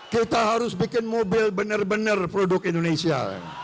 kita harus bikin mobil benar benar produk indonesia